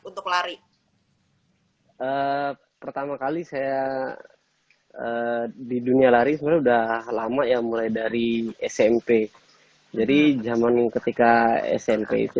untuk lari pertama kali saya di dunia lari sebenarnya udah lama ya mulai dari smp jadi zaman ketika smp itu